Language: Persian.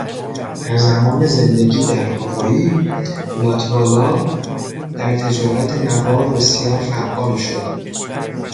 در زمان زندگی در هاوایی، لاتوالا در تجارت نوار بسیار فعال شد.